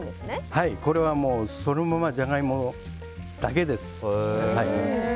これはそのままジャガイモだけです。